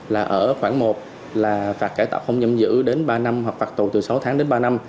là ở khoảng một là phạt cải tạo không giam giữ đến ba năm hoặc phạt tù từ sáu tháng đến ba năm